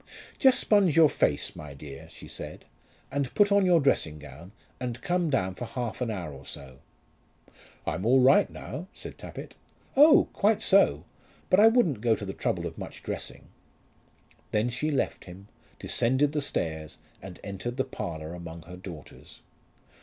"Just sponge your face, my dear," she said, "and put on your dressing gown, and come down for half an hour or so." "I'm all right now," said Tappitt. "Oh! quite so; but I wouldn't go to the trouble of much dressing." Then she left him, descended the stairs, and entered the parlour among her daughters.